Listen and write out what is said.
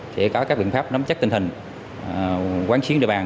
sẽ có các biện pháp nắm chắc tình hình quán chiến địa bàn